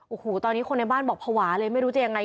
โอ้โหตอนนี้คนในบ้านบอกภาวะเลยไม่รู้จะยังไง